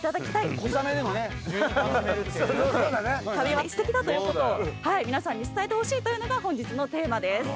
旅はすてきだということを皆さんに伝えてほしいというのが本日のテーマです。